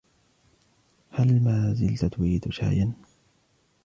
هل مازلتَ تريد شاياً ؟